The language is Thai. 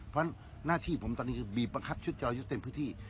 เพราะหน้าที่ผมตอนนี้คือบีบบังคับชุดจรยุทธ์เต็มพื้นที่